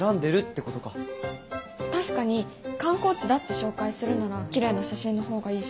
確かに観光地だって紹介するならきれいな写真の方がいいし。